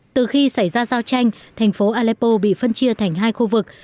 từ khi xảy ra giao tranh thành phố aleppo bị phân chia thành hai khu vực